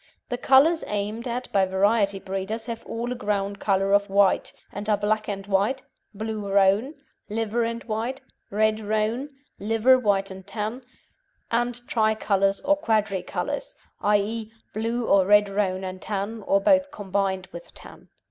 The colours aimed at by variety breeders have all a ground colour of white, and are black and white, blue roan, liver and white, red roan, liver white and tan, and tricolours or quadri colours i.e., blue or red roan and tan, or both combined, with tan.